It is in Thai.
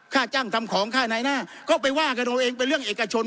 ค่าจ้างทำของค่าในหน้าก็ไปว่ากันเอาเองเป็นเรื่องเอกชน